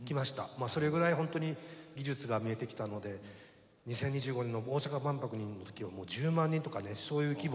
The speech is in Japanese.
まあそれぐらいほんとに技術が見えてきたので２０２５年の大阪万博の時はもう１０万人とかねそういう規模の。